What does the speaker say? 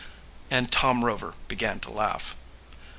and Tom Rover began to laugh.